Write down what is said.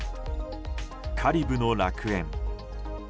カリブの楽園。